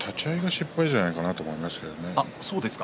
立ち合いが失敗じゃないかなと思いますね。